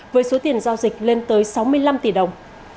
với số tiền giao dịch lên tới sáu mươi năm tỷ đồng